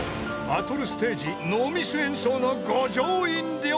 ［バトルステージノーミス演奏の五条院凌］